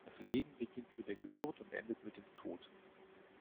Das Leben beginnt mit der Geburt und endet mit dem Tod.